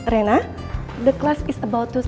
rena kelasnya akan mulai